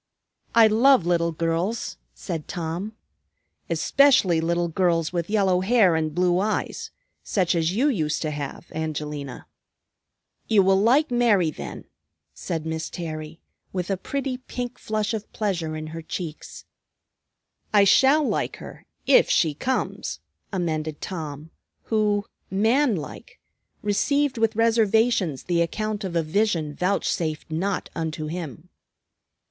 "I love little girls," said Tom, "especially little girls with yellow hair and blue eyes, such as you used to have, Angelina." "You will like Mary, then," said Miss Terry, with a pretty pink flush of pleasure in her cheeks. "I shall like her, if she comes," amended Tom, who, man like, received with reservations the account of a vision vouchsafed not unto him.